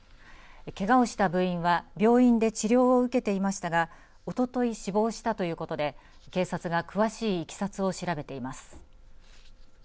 けがをした部員は病院で治療を受けていましたがおととい死亡したということで警察が詳しいいきさつを調べています。